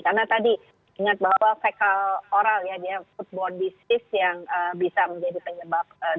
karena tadi ingat bahwa fekal oral ya dia footboard disease yang bisa menjadi penyebab